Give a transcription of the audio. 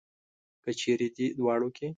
که چېرې دې دواړو کې.